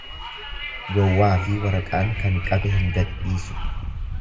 Gowwaafi waraqaan kan qabe hin gadhiisu.